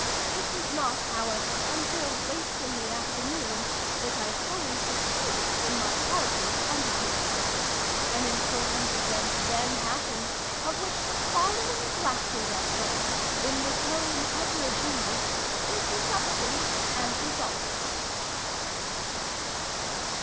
It was not, however, until late in the afternoon that I fully succeeded in my arduous undertaking. An important event then happened of which the following Blackwood article, in the tone heterogeneous, is the substance and result.